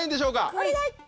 お願い！